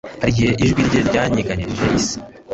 Hari igihe ijwi rye ryanyeganyeje isi